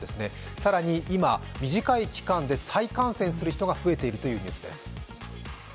更に、今、短い期間で再感染する人が増えているというニュースです。